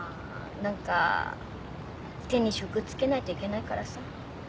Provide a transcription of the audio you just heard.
何か手に職つけないといけないからさ。